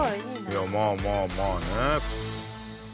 いやまあまあまあね。